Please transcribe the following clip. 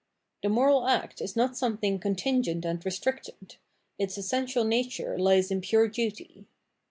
The moral act is not something contingent and restricted ; its essential nature lies in pure duty.